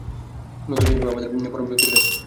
নতজানু হবে আমাদের পরম শক্তির কাছে।